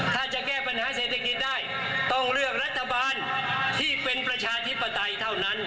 ถ้าจะแก้ปัญหาเศรษฐกิจได้ต้องเลือกรัฐบาลที่เป็นประชาธิปไตยเท่านั้น